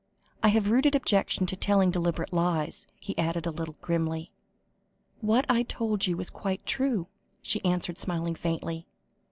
I have a rooted objection to telling deliberate lies," he added a little grimly. "What I told you was quite true," she answered, smiling faintly.